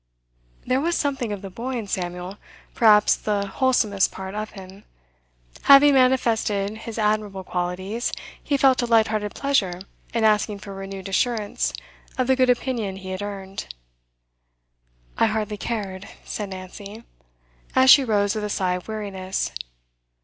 There was something of the boy in Samuel, perhaps the wholesomest part of him. Having manifested his admirable qualities, he felt a light hearted pleasure in asking for renewed assurance of the good opinion he had earned. 'I hardly cared,' said Nancy, as she rose with a sigh of weariness.